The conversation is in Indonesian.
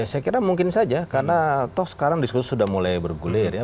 saya kira mungkin saja karena toh sekarang diskusi sudah mulai bergulir ya